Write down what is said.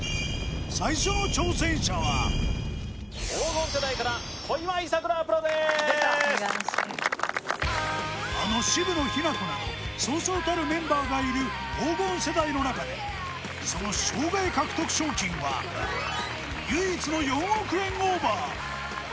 最初の挑戦者はあの渋野日向子などそうそうたるメンバーがいる黄金世代の中でその生涯獲得賞金は唯一の４億円オーバー。